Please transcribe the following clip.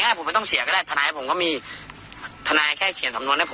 โดมต้องเสียเงินขัสสารด้วยนี้